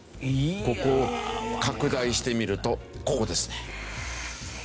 ここを拡大してみるとここですね。